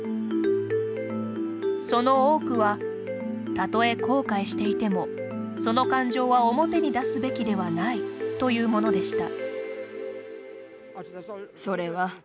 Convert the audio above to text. その多くはたとえ後悔していてもその感情は表に出すべきではないというものでした。